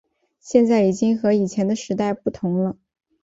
现在已经和以前的时代不同了